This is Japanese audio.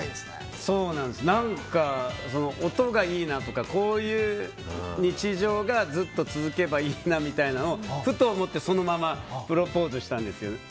何か、音がいいなとかこういう日常がずっと続けばいいなみたいなのをふと思って、そのままプロポーズしたんですよね。